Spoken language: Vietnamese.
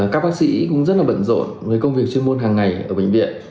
các bác sĩ cũng rất là bận rộn với công việc chuyên môn hàng ngày ở bệnh viện